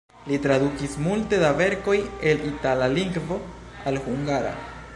Li tradukis multe da verkoj el itala lingvo al hungara.